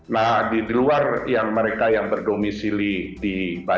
nah di luar mereka yang berdomisili baik di jalur gaza